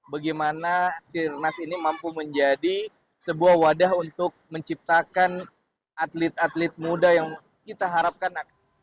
bagaimana sirnas ini mampu menjadi sebuah wadah untuk menciptakan atlet atlet muda yang kita harapkan